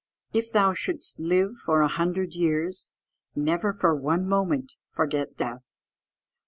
"If thou shouldst live for a hundred years, never for one moment forget death.